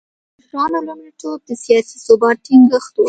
د مشرانو لومړیتوب د سیاسي ثبات ټینګښت و.